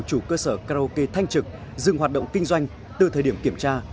chủ cơ sở karaoke thanh trực dừng hoạt động kinh doanh từ thời điểm kiểm tra